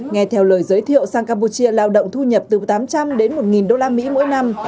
nghe theo lời giới thiệu sang campuchia lao động thu nhập từ tám trăm linh đến một usd mỗi năm